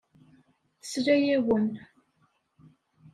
Tesla-awen.